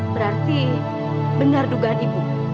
berarti benar dugaan ibu